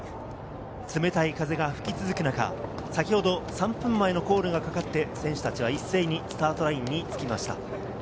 冷たい風が吹き続く中、先ほど３分前のコールがかかって選手たちが一斉にスタートラインに着きました。